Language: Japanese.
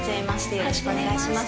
よろしくお願いします。